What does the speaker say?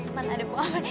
man ada pohon